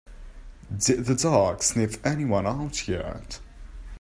Did the dog sniff anyone out yet?